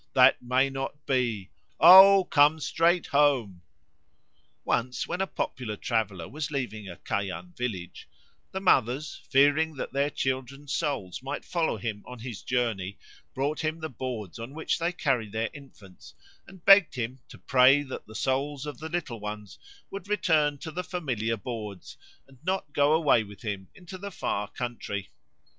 That may not be. O come straight home!" Once when a popular traveller was leaving a Kayan village, the mothers, fearing that their children's souls might follow him on his journey, brought him the boards on which they carry their infants and begged him to pray that the souls of the little ones would return to the familiar boards and not go away with him into the far country.